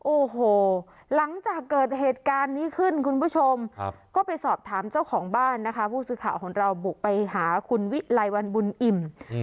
โอ้โหหลังจากเกิดเหตุการณ์นี้ขึ้นคุณผู้ชมก็ไปสอบถามเจ้าของบ้านนะคะผู้สื่อข่าวของเราบุกไปหาคุณวิไลวันบุญอิ่ม